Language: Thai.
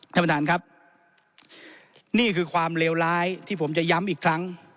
ท่านประธานครับนี่คือความเลวร้ายที่ผมจะย้ำอีกครั้ง